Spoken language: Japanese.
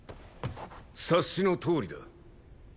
察しのとおりだ。